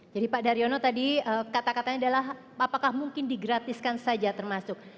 jadi pak daryono tadi kata katanya adalah apakah mungkin digratiskan saja termasuk